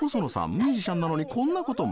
ミュージシャンなのにこんなことも。